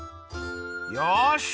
よし！